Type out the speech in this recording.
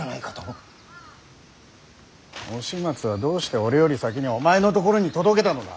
押松はどうして俺より先にお前のところに届けたのだ。